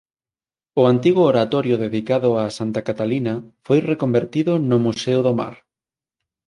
O antigo oratorio dedicado a Santa Catalina foi reconvertido no Museo do Mar.